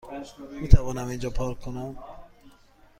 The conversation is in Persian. میتوانم اینجا پارک کنم؟